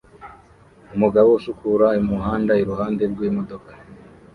Umugabo usukura umuhanda iruhande rw'imodoka